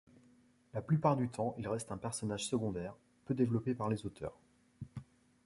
La plupart du temps, il reste un personnage secondaire, peu développé par les auteurs.